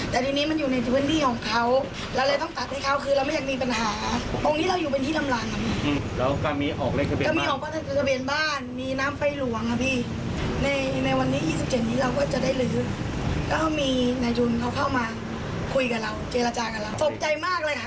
จะได้ลืมก็มีในทุนเขาเข้ามาคุยกับเราเจรจากับเราสบใจมากเลยค่ะ